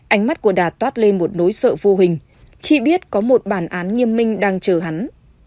ánh mắt của đà toát lên một nối sợ vô hình khi biết có một bản án nghiêm minh đang chờ hắn